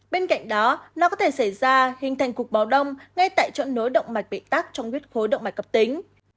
bên cạnh đó nó có thể xảy ra hình thành cục báo đông ngay tại chỗ nối động mạch bị tác trong huyết khối động mạch cấp tính